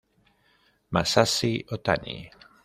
Masashi Otani